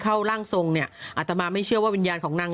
ร่างทรงเนี่ยอาตมาไม่เชื่อว่าวิญญาณของนาง